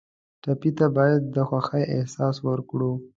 ټپي ته باید د خوښۍ احساس ورکړو.